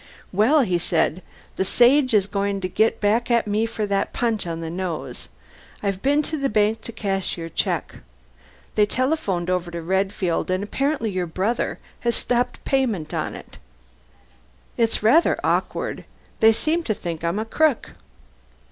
"Well," he said, "the Sage is going to get back at me for that punch on the nose! I've been to the bank to cash your check. They telephoned over to Redfield, and apparently your brother has stopped payment on it. It's rather awkward: they seem to think I'm a crook."